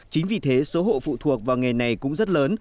chính vì thế số hộ phụ thuộc vào nghề này cũng rất lớn